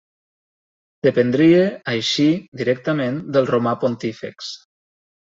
Dependria així directament del Romà Pontífex.